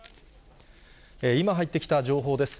今、入ってきた情報です。